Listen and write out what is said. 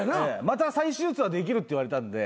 また再手術はできるって言われたんで。